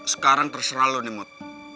sekarang terserah lo nih mood